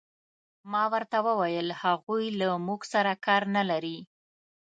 ما ورته وویل: هغوی له موږ سره کار نه لري.